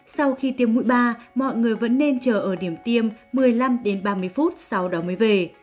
sau khi tiêm mũi ba mọi người vẫn nên chờ ở điểm tiêm một mươi năm đến ba mươi phút sau đó mới về